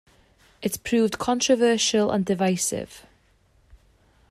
It proved controversial and divisive.